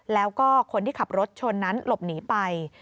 แล้วก็คนที่ขับรถชนนั้นหลบหนีไป